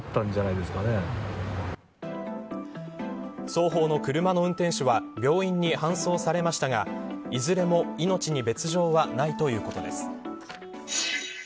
双方の車の運転手は病院に搬送されましたがいずれも命に別条はないということです。